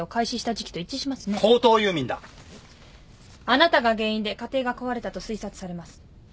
あなたが原因で家庭が壊れたと推察されます。